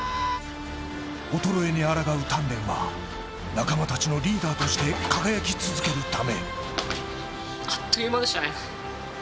衰えにあらがう鍛錬は仲間たちののリーダーとして輝き続けるため。